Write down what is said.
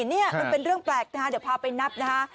อันนี้น่ะเป็นเรื่องแปลกอ่ะไปนับนะคะ